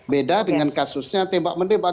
beda dengan kasusnya tembak menembak